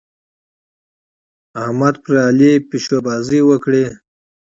احمد پر علي پيشوبازۍ وکړې.